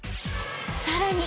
［さらに］